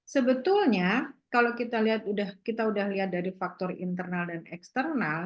sebetulnya kalau kita lihat kita udah lihat dari faktor internal dan eksternal